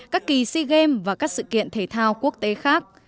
các kỳ sea games và các sự kiện thể thao quốc tế khác